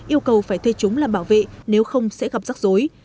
yêu cầu phải thuê chúng làm bảo vệ nếu không sẽ gặp rắc rối